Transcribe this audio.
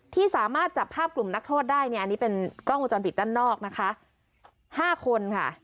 ที่สามารถจับภาพกลุ่มนักโทษได้เนี่ยอันนี้เป็นกล้องวงจรปิดด้านนอกนะคะห้าคนค่ะ